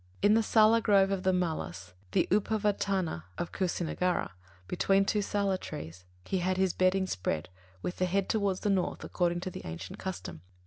In the sāla grove of the Mallas, the Uparvartana of Kusināgāra, between two sāla trees, he had his bedding spread with the head towards the north according to the ancient custom.